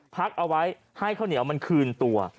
พักเอาไว้ให้ข้าวเหนียวมันคืนตัว